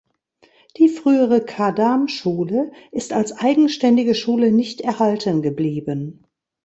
Die frühere Kadam-Schule ist als eigenständige Schule nicht erhalten geblieben.